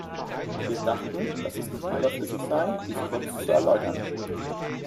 Wir dachten, dass es nicht überflüssig sei, dies kurz zu erläutern.